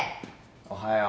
おはよう。